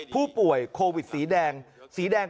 ผู้ป่วยโควิดสีแดง